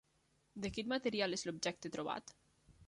De quin material és l'objecte trobat?